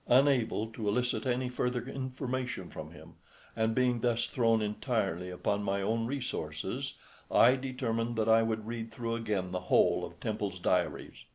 Unable to elicit any further information from him, and being thus thrown entirely upon my own resources, I determined that I would read through again the whole of Temple's diaries.